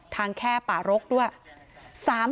แค่ป่ารกด้วย